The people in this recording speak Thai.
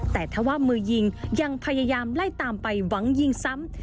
แต่ถ้าว่ามือยิงยังพยายามไล่ตามไปหวังยิงซ้ำ